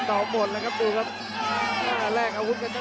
กระโดยสิ้งเล็กนี่ออกกันขาสันเหมือนกันครับ